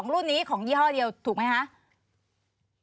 รุ่นนี้ของยี่ห้อเดียวถูกไหมคะ